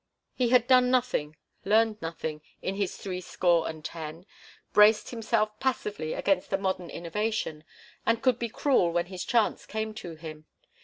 He had done nothing, learned nothing, in his threescore and ten, braced himself passively against the modern innovation, and could be cruel when his chance came to him.